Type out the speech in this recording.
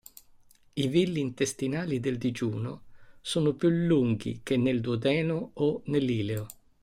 I villi intestinali del digiuno sono più lunghi che nel duodeno o nell'ileo.